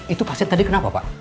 itu pasien tadi kenapa pak